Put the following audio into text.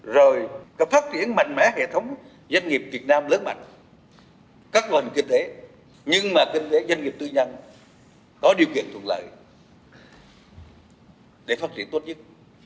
rồi có phát triển mạnh mẽ hệ thống doanh nghiệp việt nam lớn mạnh các ngành kinh tế nhưng mà kinh tế doanh nghiệp tư nhân có điều kiện thuận lợi để phát triển tốt nhất